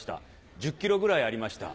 １０ｋｇぐらいありました。